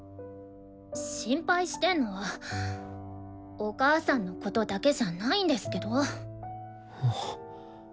心配してんのはお母さんのことだけじゃないんですけど？